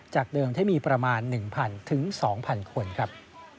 จากเดิมที่มีประมาณหนึ่งพันถึงสองพันคนครับ